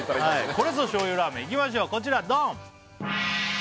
「これぞ醤油ラーメン」いきましょうこちらドン！